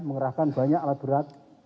mengerahkan banyak alat berat